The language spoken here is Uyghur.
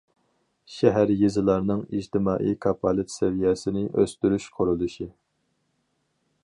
شەھەر، يېزىلارنىڭ ئىجتىمائىي كاپالەت سەۋىيەسىنى ئۆستۈرۈش قۇرۇلۇشى.